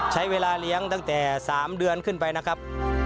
ใช้เวลาเลี้ยงตั้งแต่๓เดือนขึ้นไปนะครับ